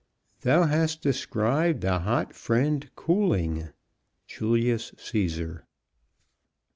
Thou hast described A hot friend cooling. _Julius Cæsar.